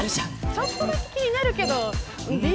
ちょっとだけ気になるけど。